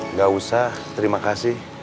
nggak usah terima kasih